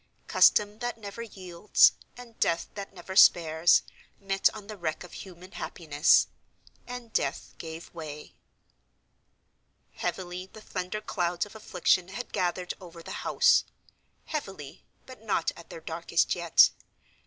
Custom that never yields, and Death that never spares, met on the wreck of human happiness—and Death gave way. Heavily the thunder clouds of Affliction had gathered over the house—heavily, but not at their darkest yet.